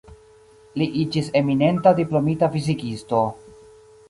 Li iĝis eminenta diplomita fizikisto.